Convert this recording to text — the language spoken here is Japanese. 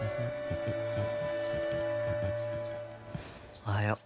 ・おはよう。